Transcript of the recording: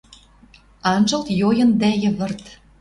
Анжылт йойын дӓ йывырт: